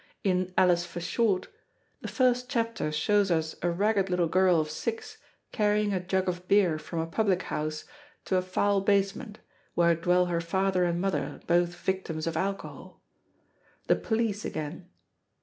In Alice for Short, the first chapter shows us a ragged little girl of six carrying a jug of beer from a public house to a foul basement, where dwell her father and mother, both victims of alcohol. The police again.